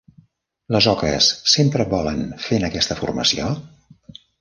Les oques sempre volen fent aquesta formació?